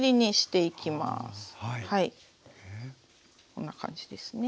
こんな感じですね。